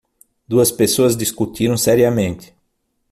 Duas pessoas discutiram seriamente